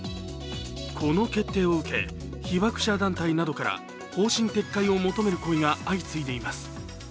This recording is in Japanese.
この決定を受け、被爆者団体などから方針撤回を求める声が相次いでいます。